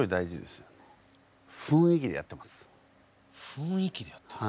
雰囲気でやってる？